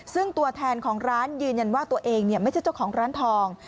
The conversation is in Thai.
ซึ่งตัวแทนของร้านยืนยันว่าตัวเองไม่ใช่เจ้าของร้านทอง